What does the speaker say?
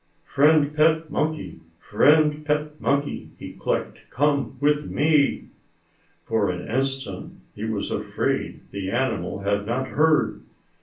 "Friend pet monkey, friend pet monkey," he clicked, "come with me." For an instant he was afraid the animal had not heard.